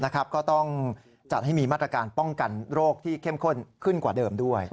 ก็ต้องจัดให้มีมาตรการป้องกันโรคที่เข้มข้นขึ้นกว่าเดิมด้วย